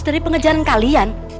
dari pengejaran kalian